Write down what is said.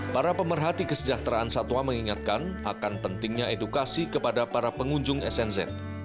para pemerhati kesejahteraan satwa mengingatkan akan pentingnya edukasi kepada para pengunjung snz